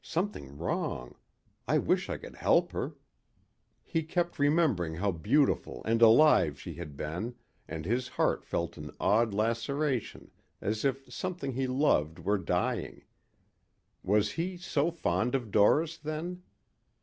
Something wrong. I wish I could help her." He kept remembering how beautiful and alive she had been and his heart felt an odd laceration as if something he loved were dying. Was he so fond of Doris, then?